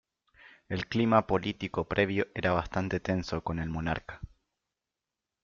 El clima político previo era bastante tenso con el monarca.